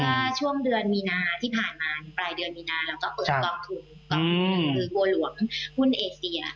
เมื่อช่วงเดือนมีนาที่ผ่านมาในปลายเดือนมีนาเราก็เปิดลงทุนคือกลับเป็นวลวมหุ้นเอเซีย